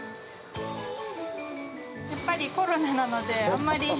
やっぱりコロナなので、あんまり。